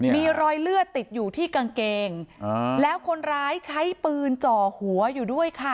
มีรอยเลือดติดอยู่ที่กางเกงแล้วคนร้ายใช้ปืนจ่อหัวอยู่ด้วยค่ะ